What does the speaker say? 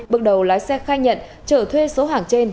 bước đầu lái xe khai nhận trở thuê số hàng trên